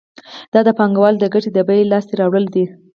دا د پانګوال د ګټې د بیې لاس ته راوړل دي